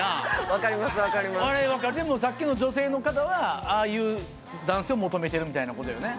分かりますでもさっきの女性の方はああいう男性を求めてるみたいなことよね